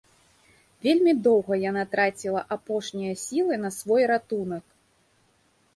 Вельмі доўга яна траціла апошнія сілы на свой ратунак.